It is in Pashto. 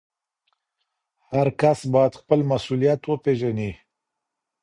هر کس باید خپل مسؤلیت وپېژني.